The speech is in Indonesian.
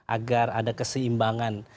agar ada keseimbangan